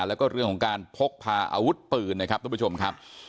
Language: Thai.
แล้วก็เรื่องของการพกพาอาวุธปืนนะครับทุกผู้ชมครับ